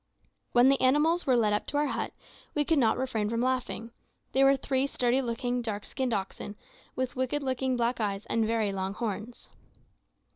When the animals were led up to our hut, we could not refrain from laughing. They were three sturdy looking dark skinned oxen, with wicked looking black eyes and very long horns.